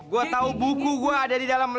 gue tahu buku gue ada di dalam